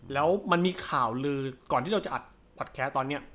แล้วมันมีข่าวลือก่อนที่เราอัดปราตรแคร์ตอนนี้